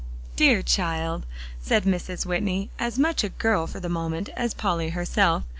"Dear child," said Mrs. Whitney, as much a girl for the moment as Polly herself.